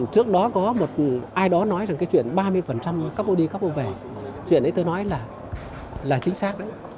trước đó có ai đó nói rằng chuyện ba mươi các bộ đi các bộ về chuyện đấy tôi nói là chính xác đấy